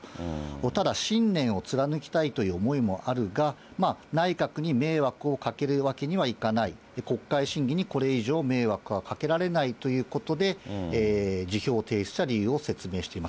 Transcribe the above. ただ、信念を貫きたいという思いもあるが、内閣に迷惑をかけるわけにはいかない、国会審議にこれ以上、迷惑はかけられないということで、辞表を提出した理由を説明しています。